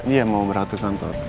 iya mau berangkat ke kantor